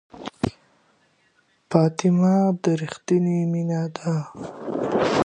فاطمه د ریښتینې مینې نښه ده.